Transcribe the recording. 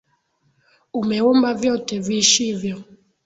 Umeumba vyote viishivyo.